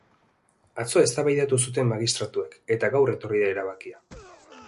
Atzo eztabaidatu zuten magistratuek, eta gaur etorri da erabakia.